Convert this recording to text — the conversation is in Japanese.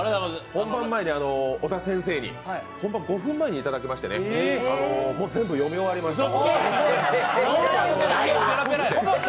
本番前に小田先生に５分前にいただけましてね、もう全部読み終わりました。